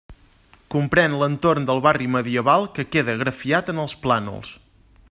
Comprén l'entorn del barri medieval que queda grafiat en els plànols.